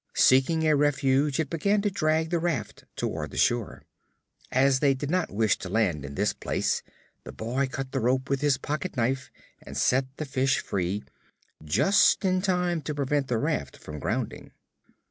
Seeking a refuge, it began to drag the raft toward the shore. As they did not wish to land in this place the boy cut the rope with his pocket knife and set the fish free, just in time to prevent the raft from grounding.